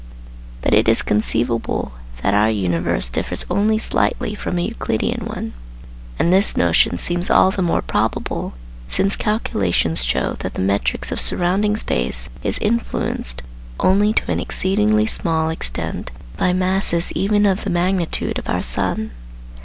But it is conceivable that our universe differs only slightly from a Euclidean one, and this notion seems all the more probable, since calculations show that the metrics of surrounding space is influenced only to an exceedingly small extent by masses even of the magnitude of our sun.